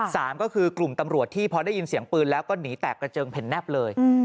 สามก็คือกลุ่มตำรวจที่พอได้ยินเสียงปืนแล้วก็หนีแตกกระเจิงเห็นแนบเลย